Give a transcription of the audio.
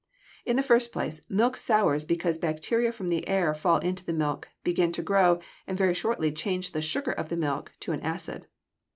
In the first place, milk sours because bacteria from the air fall into the milk, begin to grow, and very shortly change the sugar of the milk to an acid.